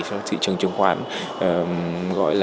cho thị trường